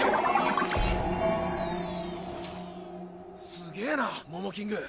すげぇなモモキング！